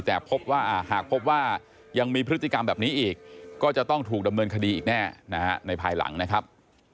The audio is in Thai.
แต่พบว่าหากพบว่ายังมีพฤติกรรมแบบนี้อีกก็จะต้องถูกดำเนินคดีอีกแน่นะฮะในภายหลังนะครับ